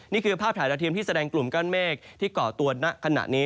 นี่คือภาพถ่ายดาวเทียมที่แสดงกลุ่มก้อนเมฆที่เกาะตัวณขณะนี้